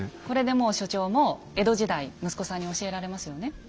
これでもう所長も江戸時代息子さんに教えられますよね。